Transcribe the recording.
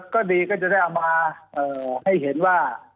ก็ดีก็จะได้เอามาให้เห็นว่า